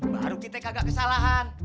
baru kita kagak kesalahan